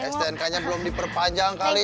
stnk nya belum diperpanjang kali